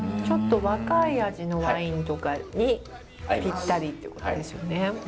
ちょっと若い味のワインとかにぴったりっていうことですよね。